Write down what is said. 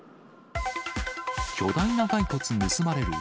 巨大な骸骨盗まれる。